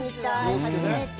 初めて。